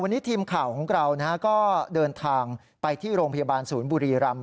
วันนี้ทีมข่าวของเราก็เดินทางไปที่โรงพยาบาลศูนย์บุรีรำ